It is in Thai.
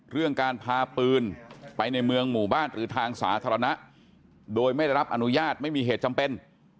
เรื่องการพาปืนไปในเมืองหมู่บ้านหรือทางสาธารณะโดยไม่ได้รับอนุญาตไม่มีเหตุจำเป็น